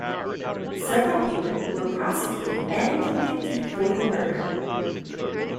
Several people were prosecuted and convicted for the murder.